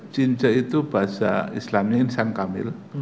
jinja itu bahasa islamnya insan kamil